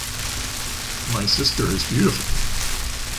My sister is beautiful.